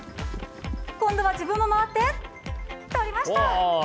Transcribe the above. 今度は自分も回って取りました。